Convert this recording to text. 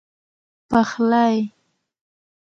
پخلی